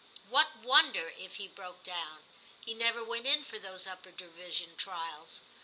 What wonder if he broke down ? He never went in for those upper division trials.